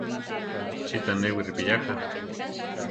¿Chí tanéwi ripiyáka.